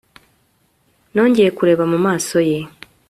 nongeye kureba mu maso ye